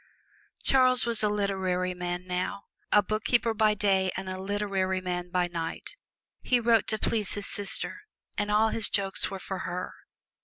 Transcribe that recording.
Charles was a literary man now: a bookkeeper by day and a literary man by night. He wrote to please his sister, and all his jokes were for her.